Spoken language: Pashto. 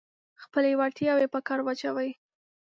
خپلې وړتیاوې په کار واچوئ.